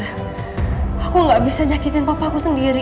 aku bener bener gak bisa tante aku gak bisa nyakitin papa aku sendiri